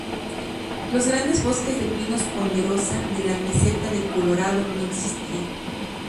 Los grandes bosques de pinos ponderosa de la meseta de Colorado no existían.